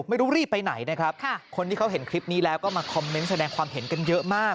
รีบไปไหนนะครับคนที่เขาเห็นคลิปนี้แล้วก็มาคอมเมนต์แสดงความเห็นกันเยอะมาก